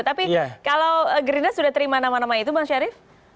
tapi kalau gerindra sudah terima nama nama itu bang syarif